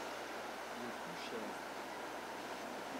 Les plus chères.